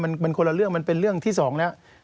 มันคนละเรื่องมันเป็นเรื่องที่สองแล้ว